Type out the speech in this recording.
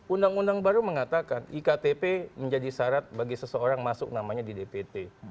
undang undang baru mengatakan iktp menjadi syarat bagi seseorang masuk namanya di dpt